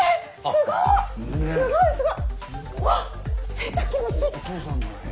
すごいな。